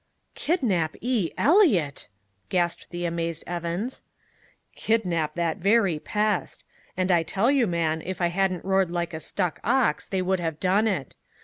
"Kidnap E. Eliot!" gasped the amazed Evans. "Kidnap that very pest. And I tell you, man, if I hadn't roared like a stuck ox they would have done it!